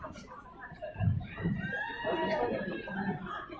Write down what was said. เวลาแรกพี่เห็นแวว